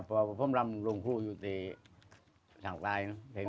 เพราะว่าผมรำโรงครูอยู่ในหลังใต้